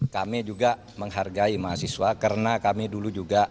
kami juga menghargai mahasiswa karena kami dulu juga